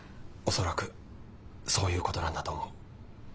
恐らくそういうことなんだと思う。